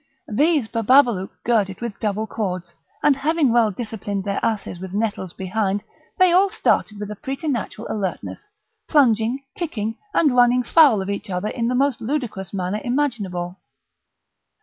These Bababalouk girded with double cords, and, having well disciplined their asses with nettles behind, they all started with a preternatural alertness, plunging, kicking, and running foul of each other in the most ludicrous manner imaginable.